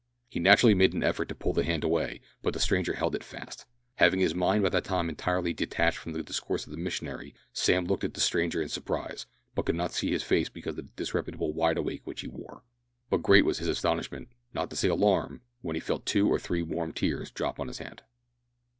He naturally made an effort to pull the hand away, but the stranger held it fast. Having his mind by that time entirely detached from the discourse of the missionary, Sam looked at the stranger in surprise, but could not see his face because of the disreputable wide awake which he wore. But great was his astonishment, not to say alarm, when he felt two or three warm tears drop on his hand.